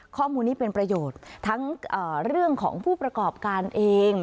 ข้อมูลนี้เป็นประโยชน์ทั้งเรื่องของผู้ประกอบการเอง